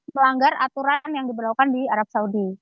melanggar aturan yang diberlakukan di arab saudi